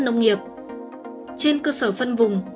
nông nghiệp trên cơ sở phân vùng